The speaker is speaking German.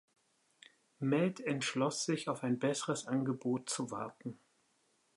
Matt entschloss sich, auf ein besseres Angebot zu warten.